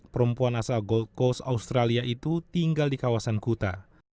perempuan asal gold coast australia itu tinggal di kawasan kuta